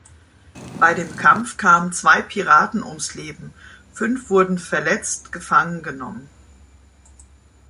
Bei dem Kampf kamen zwei Piraten ums Leben, fünf wurden verletzt gefangen genommen.